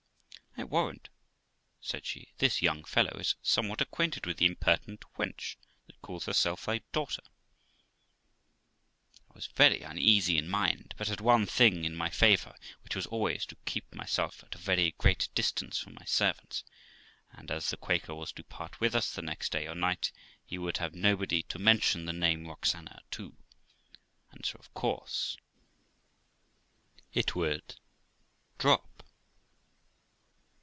'I warrant', said she, 'this young fellow is somewhat acquainted with the impertinent wench that calls herself thy daughter.' I was very uneasy in mind, but had one thing in my favour, which was always to keep myself at a very great distance from my servant*; and as THE LIFE OF ROXANA 399 the Quaker was to part with us the next day or night, he would have nobody to mention the name Roxana to, and so of course it would drop.